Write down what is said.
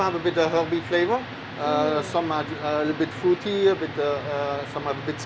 ya beberapa ada rasa herba beberapa sedikit buah beberapa sedikit pedas